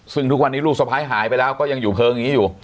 ซึ่งทุกวันนี้ลูกสะพ้ายหายไปแล้วก็ยังอยู่เพลิงอย่างนี้อยู่